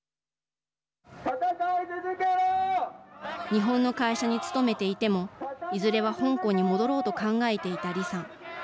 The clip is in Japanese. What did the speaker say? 日本の会社に勤めていてもいずれは香港に戻ろうと考えていた李さん。